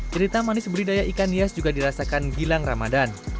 cerita manis beli daya ikan hias juga dirasakan gilang ramadhan